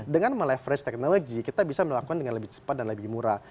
dengan meleverage teknologi kita bisa melakukan dengan lebih cepat dan lebih murah